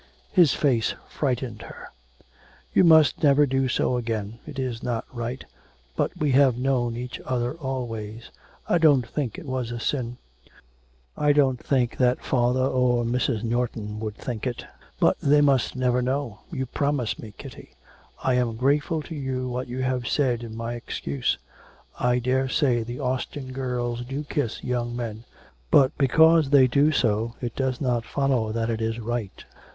His face frightened her. 'You must never do so again. It is not right; but we have known each other always I don't think it was a sin. I don't think that father or Mrs. Norton would think it ' 'But they must never know. You promise me, Kitty. ... I am grateful to you for what you have said in my excuse. I daresay the Austin girls do kiss young men, but because they do so it does not follow that it is right.